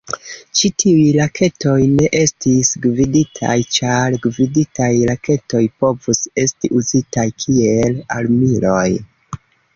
Ĉi tiuj raketoj ne estis gviditaj, ĉar gviditaj raketoj povus esti uzitaj kiel armiloj.